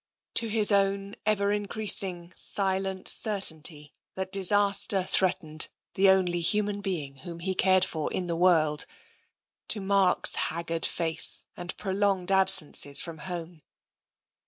To his own ever increas ing, silent certainty that disaster threatened the only human being whom he cared for in the world, to Mark's haggard face and prolonged absences from home.